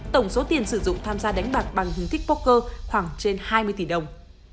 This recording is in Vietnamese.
tổng số tiền sử dụng tham gia đánh bạc bằng hình thức poker khoảng trên hai mươi tỷ đồng